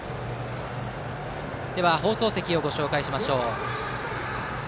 では、放送席をご紹介しましょう。